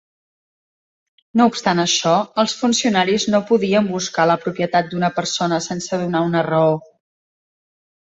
No obstant això, els funcionaris no podien buscar la propietat d'una persona sense donar una raó.